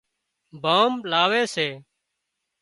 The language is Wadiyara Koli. ڀوهه لاوي سي